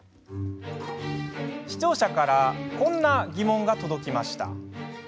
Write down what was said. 視聴者からこんな疑問が届きました。